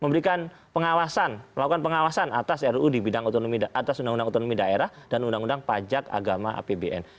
memberikan pengawasan melakukan pengawasan atas ruu di bidang otonomi atas undang undang otonomi daerah dan undang undang pajak agama apbn